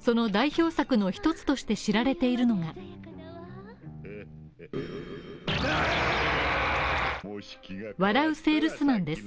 その代表作の一つとして知られているのが「笑ゥせぇるすまん」です。